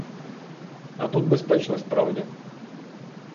А тут безпечно справді.